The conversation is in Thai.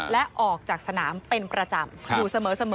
และออกจากสนามเป็นประจำอยู่เสมอ